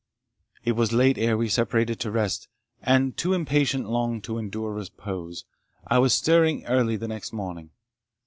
It was late ere we separated to rest, and, too impatient long to endure repose, I was stirring early the next morning.